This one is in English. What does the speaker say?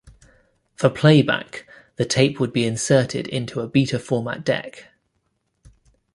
For playback, the tape would be inserted into a Beta-format deck.